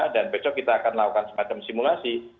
dan besok kita akan melakukan semacam simulasi